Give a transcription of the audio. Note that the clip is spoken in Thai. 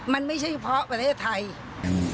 มันไม่ใช่เพราะประเทศไทย